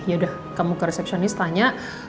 yaudah kamu ke resepsionis tanya